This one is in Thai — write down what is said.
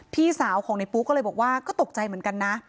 พี่สาวของในปุ๊กก็เลยบอกว่าก็ตกใจเหมือนกันนะ